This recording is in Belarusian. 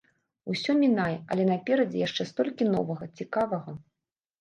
Усё мінае, але наперадзе яшчэ столькі новага, цікавага.